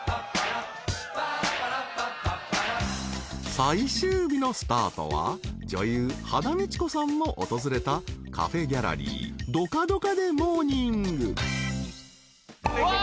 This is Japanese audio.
［最終日のスタートは女優羽田美智子さんも訪れたカフェギャラリー土花土花でモーニング］わあ！